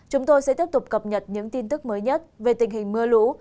chúng tôi sẽ tiếp tục cập nhật những tin tức mới nhất về tình hình mưa lũ